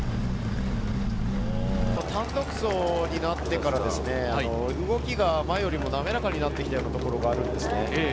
単独走になってから動きが前よりも滑らかになってきたところがあるんですね。